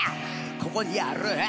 「ここにある」